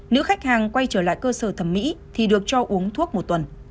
nữ khách hàng quay trở lại cơ sở thẩm mỹ thì được cho uống thuốc một tuần